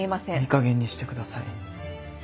いいかげんにしてください。